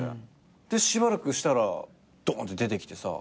でしばらくしたらドーンって出てきてさ。